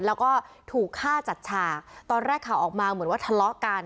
แล้วก็ถูกฆ่าจัดฉากตอนแรกข่าวออกมาเหมือนว่าทะเลาะกัน